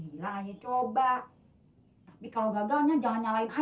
iya dah yang penting komisinya raya